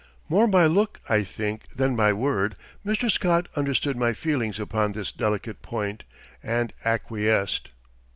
More by look I think than by word Mr. Scott understood my feelings upon this delicate point, and acquiesced.